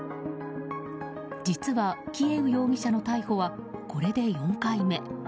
実はキエウ容疑者の逮捕はこれで４回目。